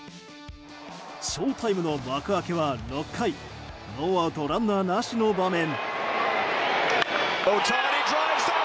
ショウタイムの幕開けは６回ノーアウトランナーなしの場面。